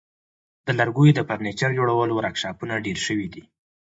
د لرګیو د فرنیچر جوړولو ورکشاپونه ډیر شوي دي.